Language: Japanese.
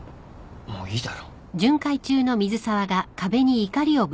もういいだろ。